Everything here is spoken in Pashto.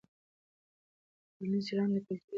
ټولنیز چلند د کلتوري ارزښتونو له اغېزه نه خلاصېږي.